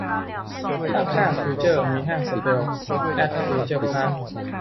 ข้างข้างฟิวเจอร์ มีห้างสเปลล์ แอท ฟิวเจอร์พาร์ค